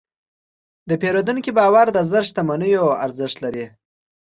د پیرودونکي باور د زر شتمنیو ارزښت لري.